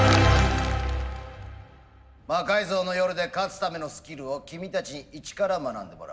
「魔改造の夜」で勝つためのスキルを君たちに一から学んでもらう。